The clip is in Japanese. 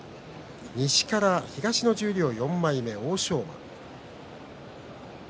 西から東の十両４枚目の欧勝馬。